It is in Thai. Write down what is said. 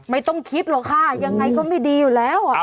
ไม่ต้องคิดหรอกค่ะยังไงก็ไม่ดีอยู่แล้ว